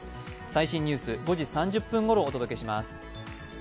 最新ニュース、５時３０分ごろお届けします。